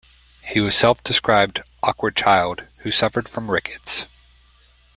He was a self-described "awkward child" who suffered from rickets.